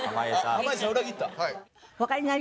濱家さん裏切った。